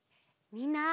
みんな。